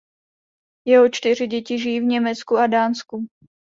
Jeho čtyři děti žijí v Německu a Dánsku.